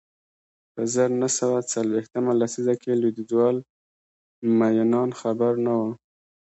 په زر نه سوه څلویښتمه لسیزه کې لوېدیځوال مینان خبر نه و